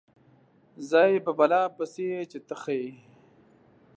ځای په بلا پسې چې ته ښه یې.